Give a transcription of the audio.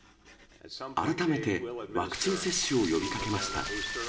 改めてワクチン接種を呼びかけました。